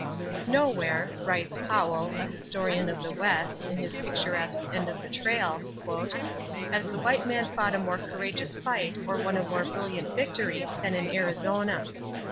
"Nowhere," writes Powell, a historian of the West, in his picturesque End of the Trail, "has the white man fought a more courageous fight or won a more brilliant victory than in Arizona.